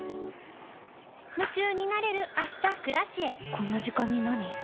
こんな時間になに？